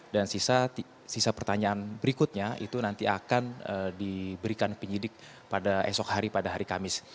dan sisa pertanyaan berikutnya itu nanti akan diberikan penyidik pada esok hari pada hari kamis